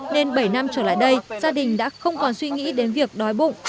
nên bảy năm trở lại đây gia đình đã không còn suy nghĩ đến việc đói bụng